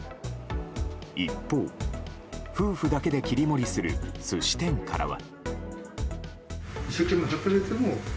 一方、夫婦だけで切り盛りする寿司店からは。